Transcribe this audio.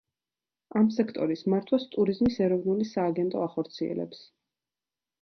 ამ სექტორის მართვას ტურიზმის ეროვნული სააგენტო ახორციელებს.